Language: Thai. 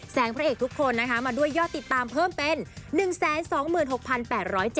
แสงพระเอกทุกคนมาด้วยยอดกดติดตามเพิ่มเป็น๑๒๖๘๗๒คนค่ะ